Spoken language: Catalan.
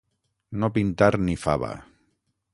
No pintar ni fava.